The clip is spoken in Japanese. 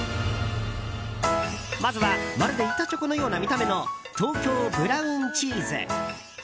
まずはまるで板チョコのような見た目の東京ブラウンチーズ。